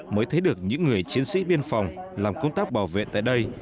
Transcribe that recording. mới thấy được những người chiến sĩ biên phòng làm công tác bảo vệ tại đây